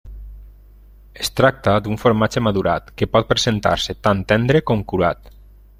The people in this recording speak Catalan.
Es tracta d'un formatge madurat, que pot presentar-se tant tendre com curat.